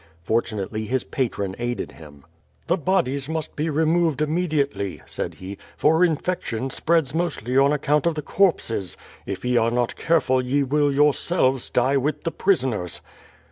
Fortunately his patron aided him. "The bodies must be removed immediately,^^ said he, "for infection spreads mostly on account of the corpses. If ye are not careful, ye will yourselves die with the prisoners.